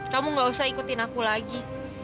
kamu gak usah ikutin aku lagi